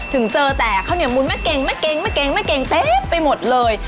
ถึงเจอแต่ข้าวเหนียวมุนแม่เก่งแม่เก๋งแม่เก๋งแม่เก่งเต็มไปหมดเลย